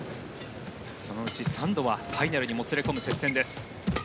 そのうち３度はファイナルにもつれ込む接戦です。